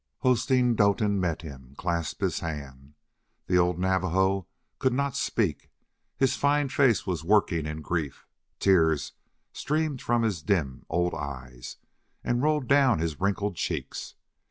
Hosteen Doetin met him, clasped his hand. The old Navajo could not speak; his fine face was working in grief; tears streamed from his dim old eyes and rolled down his wrinkled cheeks.